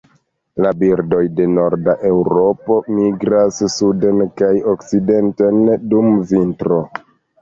La birdoj de norda Eŭropo migras suden kaj okcidenten dum vintro.